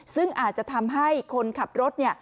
ซึ่งอาจจะทำให้คนขับรถ